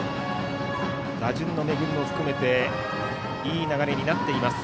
打順の巡りも含めていい流れになっています